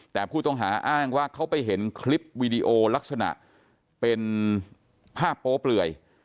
แต่ผู้ต้องหาอ้างว่าเขาไปเห็นคลิปวีดีโอลักษณะเป็นภาพโป๊เปลื่อย